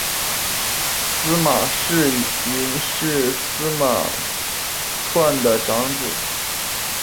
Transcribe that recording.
司马世云是司马纂的长子。